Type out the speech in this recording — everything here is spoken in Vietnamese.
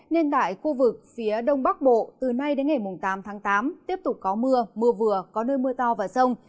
nên tại khu vực phía đông bắc bộ từ nay đến ngày tám tháng tám tiếp tục có mưa mưa vừa có nơi mưa to và rông